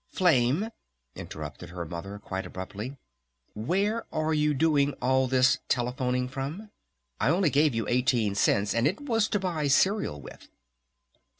"Flame ?" interrupted her Mother quite abruptly. "Where are you doing all this telephoning from? I only gave you eighteen cents and it was to buy cereal with."